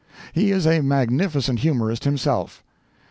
He is a magnificent humorist himself.